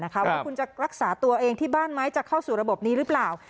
ว่าคุณจะรักษาตัวเองที่บ้านไหมจะเข้าสู่ระบบนี้หรือเปล่า